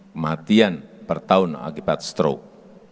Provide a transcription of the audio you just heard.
kematian per tahun akibat stroke